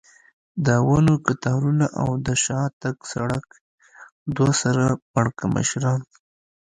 د ونو کتارونه او د شاتګ سړک، دوه سر پړکمشران.